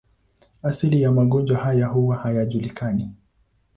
Asili ya magonjwa haya huwa hayajulikani.